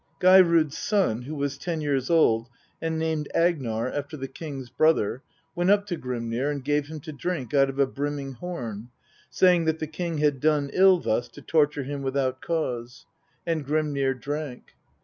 Geirrod's son, who was ten years old, and named Agnar after the king's brother, went up to Grimnir and gave him to drink out of a brimming horn, saying that the king had done ill thus to torture him without cause ; and Grimnir drank.